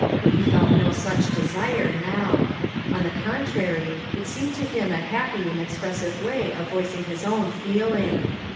He felt no such desire now; on the contrary it seemed to him a happy and expressive way of voicing his own feeling.